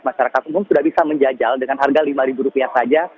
masyarakat umum sudah bisa menjajal dengan harga lima rupiah saja